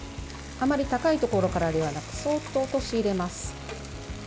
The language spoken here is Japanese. あまり高いところからではなくそっと落とし入れます。